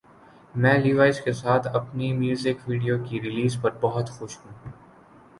میں لیوائز کے ساتھ اپنی میوزک ویڈیو کی ریلیز پر بہت خوش ہوں